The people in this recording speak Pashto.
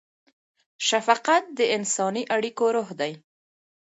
شفقت د انساني اړیکو روح دی.